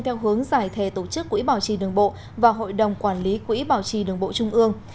theo hướng giải thề tổ chức quỹ bảo trì đường bộ và hội đồng quản lý quỹ bảo trì đường bộ trung ương